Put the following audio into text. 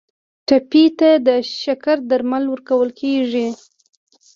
ټپي ته د شکر درمل ورکول کیږي.